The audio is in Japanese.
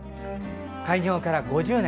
開業から５０年。